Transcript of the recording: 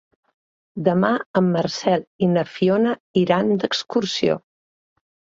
Demà en Marcel i na Fiona iran d'excursió.